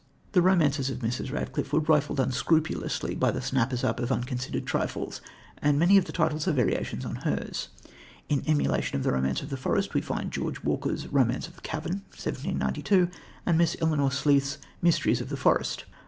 The romances of Mrs. Radcliffe were rifled unscrupulously by the snappers up of unconsidered trifles, and many of the titles are variations on hers. In emulation of The Romance of the Forest we find George Walker's Romance of the Cavern (1792) and Miss Eleanor Sleath's Mysteries of the Forest.